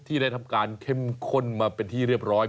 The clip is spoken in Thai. ได้ทำการเข้มข้นมาเป็นที่เรียบร้อย